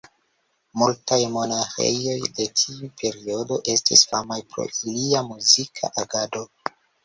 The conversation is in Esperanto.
Multaj monaĥejoj de tiu periodo estis famaj pro ilia muzika agado.